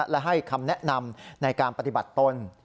และให้คำแนะนำในการปฏิบัติตน